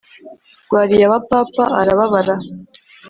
rwariye aba papa arababara